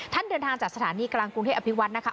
เดินทางจากสถานีกลางกรุงเทพอภิวัฒน์นะคะ